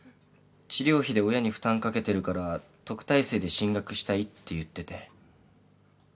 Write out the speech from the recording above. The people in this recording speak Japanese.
治療費で親に負担掛けてるから特待生で進学したいって言ってて。